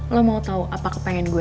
lo mau tau apakah pengen gue